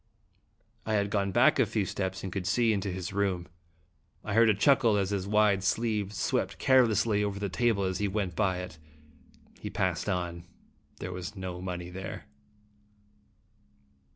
I had gone back a few steps, and could see into his room. I heard a chuckle as his wide sleeve swept carelessly over the table as he went by it. He passed on. There was no money there.